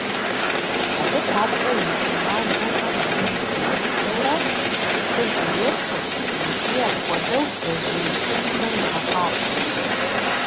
Абы папщӀэ и кӀэмажьэхэр ину щӀиупскӀэурэ, псыр зэрехуэ икӀи апхуэдэу бдзэжьей хугухэр егъэкъабзэ.